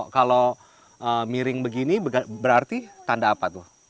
kalau miring begini berarti tanda apa tuh